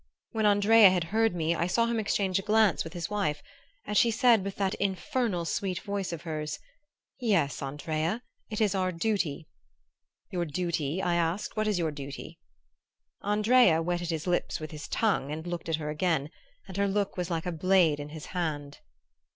When Andrea had heard me, I saw him exchange a glance with his wife, and she said with that infernal sweet voice of hers, 'Yes, Andrea, it is our duty.' "'Your duty?' I asked. 'What is your duty?' "Andrea wetted his lips with his tongue and looked at her again; and her look was like a blade in his hand.